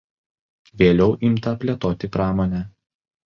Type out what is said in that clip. Vėliau imta plėtoti pramonę.